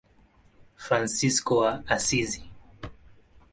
Fransisko wa Asizi.